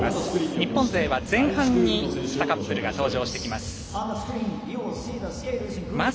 日本勢は前半に２カップルが登場してきます。